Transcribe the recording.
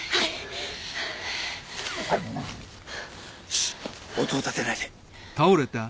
シッ音を立てないで。